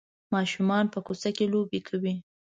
ماشومان په کوڅه کې لوبې کوي.